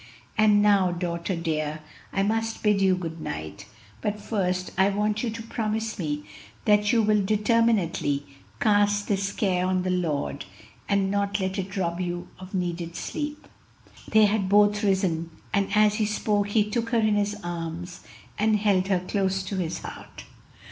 And now, daughter dear, I must bid you good night. But first I want you to promise me that you will determinately cast this care on the Lord, and not let it rob you of needed sleep." They had both risen, and as he spoke he took her in his arms and held her close to his heart.